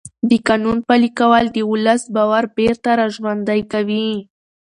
د قانون پلي کول د ولس باور بېرته راژوندی کوي